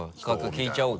聞いちゃおうか。